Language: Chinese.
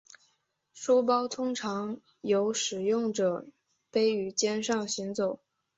书包通常由使用者背于肩上行走。